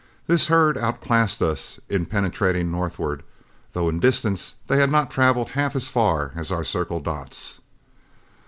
This herd outclassed us in penetrating northward, though in distance they had not traveled half as far as our Circle Dots.